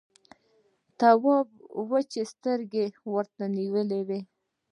تواب وچې سترګې ورته نيولې وې…